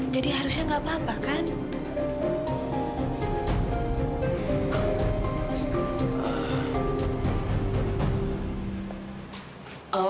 jadi harusnya gak apa apa kan